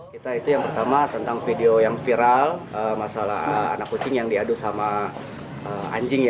kita itu yang pertama tentang video yang viral masalah anak kucing yang diadu sama anjing